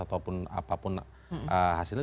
ataupun apapun hasilnya